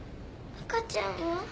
赤ちゃんは？